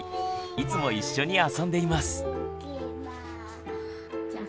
いつも一緒に遊んでいます。